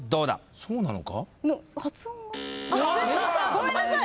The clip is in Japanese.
ごめんなさい！